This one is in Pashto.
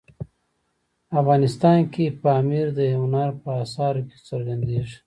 افغانستان کې پامیر د هنر په اثارو کې څرګندېږي.